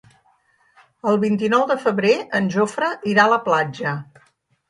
El vint-i-nou de febrer en Jofre irà a la platja.